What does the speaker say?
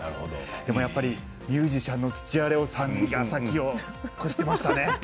でもやっぱり、ミュージシャンの土屋礼央さんが先を越してましたね。